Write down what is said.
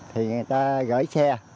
thì người ta gửi xe